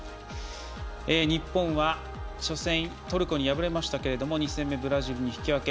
日本は、初戦トルコに敗れて２戦目ブラジルに引き分け